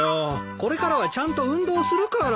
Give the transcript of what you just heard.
これからはちゃんと運動するから。